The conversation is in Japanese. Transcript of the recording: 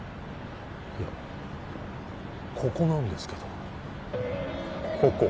いやここなんですけどここ？